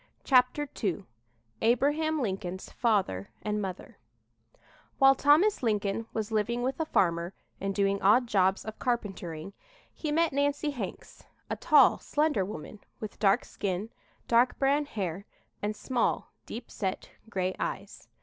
CHAPTER II ABRAHAM LINCOLN'S FATHER AND MOTHER While Thomas Lincoln was living with a farmer and doing odd jobs of carpentering, he met Nancy Hanks, a tall, slender woman, with dark skin, dark brown hair and small, deep set gray eyes.